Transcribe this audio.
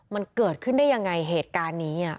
มันเกิดขึ้นได้ยังไงเหตุการณ์นี้